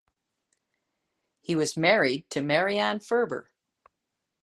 He was married to Marianne Ferber.